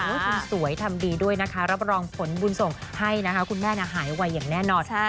คุณสวยทำดีด้วยนะคะรับรองผลบุญส่งให้นะคะคุณแม่หายไวอย่างแน่นอน